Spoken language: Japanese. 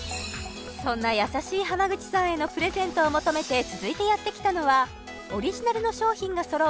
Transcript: そんな優しい濱口さんへのプレゼントを求めて続いてやってきたのはオリジナルの商品がそろう